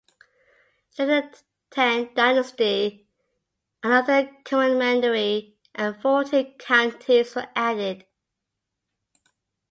During the Tang Dynasty, another commandery and fourteen counties were added.